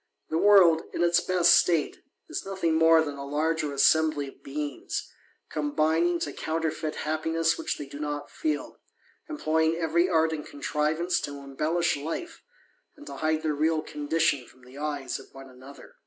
The world, in its best state, is nothing more than a large assembly of beings, combining to counterfeit happines which they do not feel, employing every art and contrivanc to embellish life, and to hide their real condition from tli eyes of one another.